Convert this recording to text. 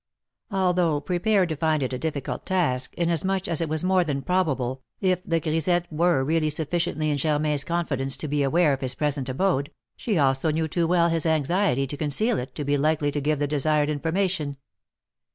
Although prepared to find it a difficult task, inasmuch as it was more than probable, if the grisette were really sufficiently in Germain's confidence to be aware of his present abode, she also knew too well his anxiety to conceal it to be likely to give the desired information.